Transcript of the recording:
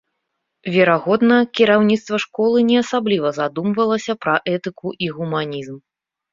Верагодна, кіраўніцтва школы не асабліва задумвалася пра этыку і гуманізм.